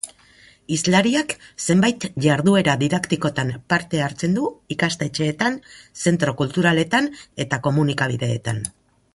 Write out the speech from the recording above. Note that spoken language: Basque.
Hizlariak zenbait jarduera didaktikotan parte hartzen du ikastetxeetan, zentro soziokulturaletan eta komunikabideetan.